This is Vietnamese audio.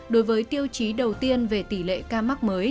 đối với tiêu chí đầu tiên về tỷ lệ ca mắc mới